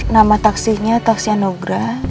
nama taksinya taksi anugrah